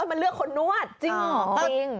จริงเหรอจริงจริงจริงจริงจริงจริงจริงจริง